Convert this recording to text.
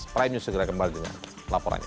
prime news segera kembali dengan laporannya